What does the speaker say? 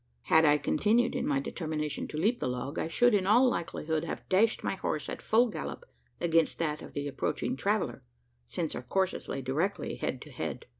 Had I continued in my determination to leap the log, I should, in all likelihood, have dashed my horse at full gallop against that of the approaching traveller; since our courses lay directly head to head.